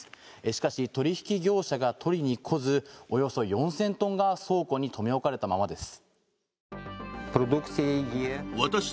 しかし、取引業者が取りに来ずおよそ４０００トンが倉庫に留め置かれたままです。